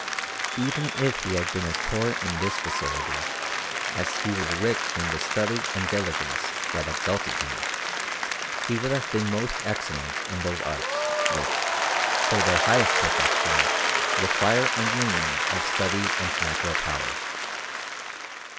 Even if he had been as poor in this facility as he was rich in the study and diligence that exalted him, he would have been most excellent in those arts, which, for their highest perfection, require a union of study and natural power.